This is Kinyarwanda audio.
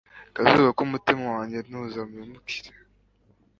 kazuba k'umutima wanjye ntuza mpemukire